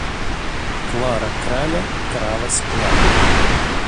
Клара-краля кралась к Ларе.